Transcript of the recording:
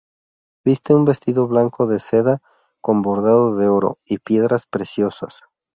Viste un vestido blanco de seda, con bordado de oro y piedras preciosas.